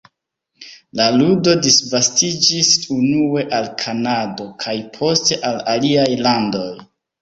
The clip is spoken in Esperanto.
La ludo disvastiĝis unue al Kanado kaj poste al aliaj landoj.